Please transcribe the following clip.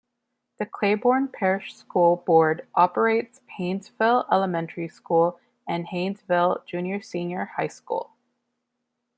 The Claiborne Parish School Board operates Haynesville Elementary School and Haynesville Junior-Senior High School.